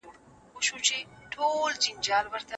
استاد حبیبي پښتانه شعرا په څو ټوکونو کې لیکلي دي.